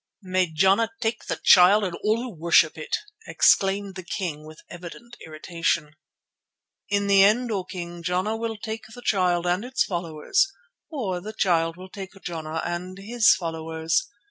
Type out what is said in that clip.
"May Jana take the Child and all who worship it," exclaimed the king with evident irritation. "In the end, O King, Jana will take the Child and its followers—or the Child will take Jana and his followers.